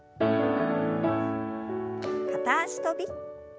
片脚跳び。